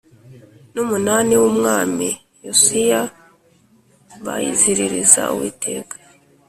n umunani w Umwami Yosiya bayiziririza Uwiteka